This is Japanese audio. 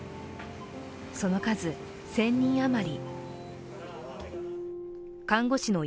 その数、１０００人余り。